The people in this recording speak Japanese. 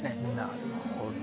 なるほど。